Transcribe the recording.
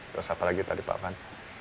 terus apa lagi tadi pak afan